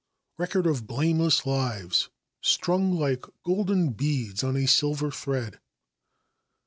Record of Blameless Lives, "Strung Like Golden Beads on a Silver Thread."